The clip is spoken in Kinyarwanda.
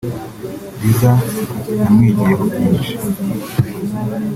Liza namwigiyeho byinshi